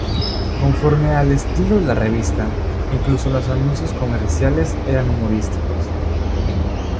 Conforme al estilo de la revista, incluso los anuncios comerciales eran humorísticos.